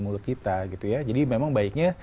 mulut kita jadi memang baiknya